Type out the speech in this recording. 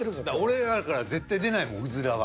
俺らから絶対出ないもんうずらは。